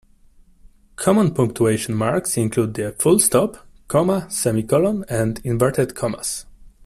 Common punctuation marks include the full stop, comma, semicolon, and inverted commas